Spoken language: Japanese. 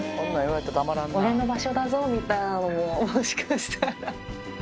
俺の場所だぞみたいなのも、もしかしたら。